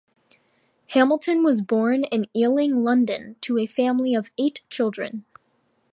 Hamilton was born in Ealing, London to a family of eight children.